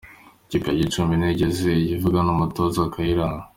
Ikipe ya Gicumbi ntiyigeze ivugana n’umutoza Kayiranga